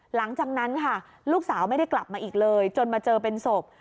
หลังจากนั้นค่ะลูกสาวไม่ได้กลับมาอีกเลยจนมาเจอเป็นศพ